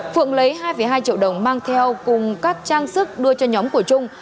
phượng lấy hai hai triệu đồng mang theo cùng các trang sức đưa cho nhóm của trung